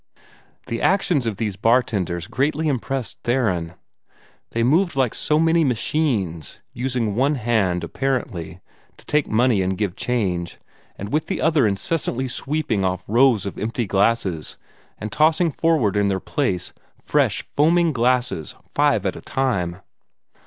The actions of these bartenders greatly impressed Theron. They moved like so many machines, using one hand, apparently, to take money and give change, and with the other incessantly sweeping off rows of empty glasses, and tossing forward in their place fresh, foaming glasses five at a time.